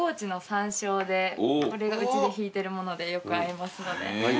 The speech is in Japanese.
うちでひいてるものでよく合いますので。